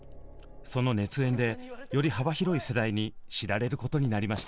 その熱演でより幅広い世代に知られることになりました。